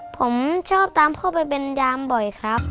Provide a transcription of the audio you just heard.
ผมชอบตามพ่อไปเป็นยามบ่อยครับ